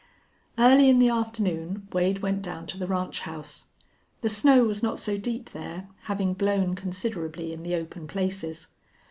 Early in the afternoon Wade went down to the ranch house. The snow was not so deep there, having blown considerably in the open places.